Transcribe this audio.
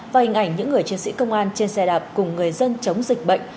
và hình ảnh những người chiến sĩ công an trên xe đạp cùng người dân chống dịch bệnh